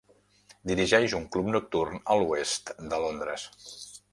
Dirigeix un club nocturn a l'oest de Londres.